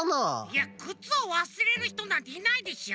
いやくつをわすれるひとなんていないでしょ。